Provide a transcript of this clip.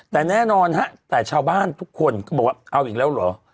แต่แน่นอนฮะแต่ชาวบ้านทุกคนก็บอกว่าเอาอีกแล้วเหรอ